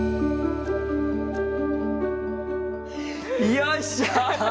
よっしゃ！